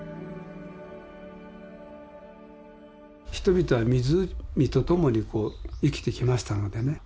人々は湖と共に生きてきましたのでね。